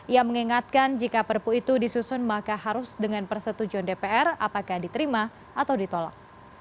ia mengingatkan jika perpu itu disusun maka harus dengan persetujuan dpr apakah diterima atau ditolak